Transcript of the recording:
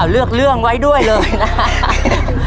เลือกเรื่องไว้ด้วยเลยนะครับ